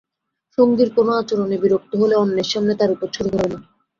সঙ্গীর কোনো আচরণে বিরক্ত হলে অন্যের সামনে তাঁর ওপর ছড়ি ঘোরাবেন না।